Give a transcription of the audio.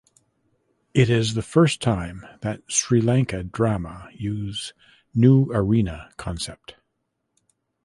It is the first time that Sri Lanka drama use New Arena concept.